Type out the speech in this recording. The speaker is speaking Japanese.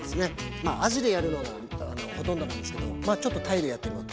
あじでやるのがほとんどなんですけどまあちょっと鯛でやってみようと。